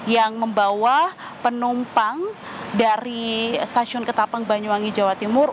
yang membawa penumpang dari stasiun ketapeng banyuwangi jawa timur